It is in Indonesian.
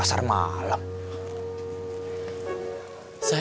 terima kasih ya